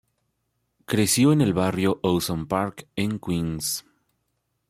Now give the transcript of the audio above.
Creció en el barrio Ozone Park, en Queens.